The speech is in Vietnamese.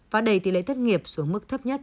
và đẩy tỷ lệ thất nghiệp xuống mức thấp nhất